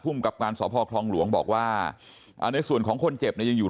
ผู้มุมกับการสอบภอคลองหลวงบอกว่าในส่วนของคนเจ็บยังอยู่